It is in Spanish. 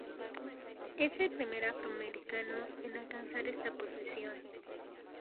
Es el primer afroamericano en alcanzar esta posición.